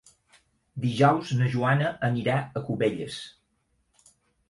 Dijous na Joana anirà a Cubelles.